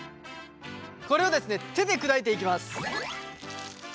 これをですね手で砕いていきます。